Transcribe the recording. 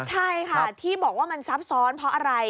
ใช่ค่ะที่บอกว่ามันซับซ้อนเพราะอะไร